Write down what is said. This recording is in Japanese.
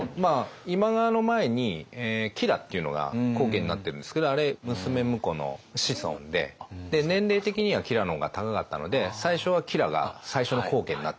今川の前に吉良っていうのが高家になってるんですけど娘婿の子孫で年齢的には吉良の方が高かったので最初は吉良が最初の高家になってるんですね。